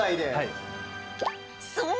［そう！